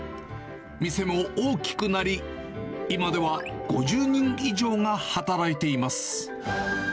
店も大きくなり、今では５０人以上が働いています。